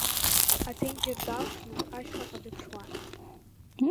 Аԥенџьыр далԥшны, ашьхаҟа дыԥшуан.